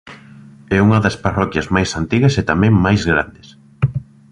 É unha das parroquias máis antigas e tamén máis grandes.